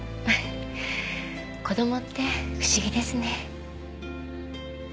子供って不思議ですね。